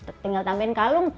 terus tinggal tambahin kalung